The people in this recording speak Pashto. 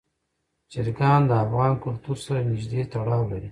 چرګان د افغان کلتور سره نږدې تړاو لري.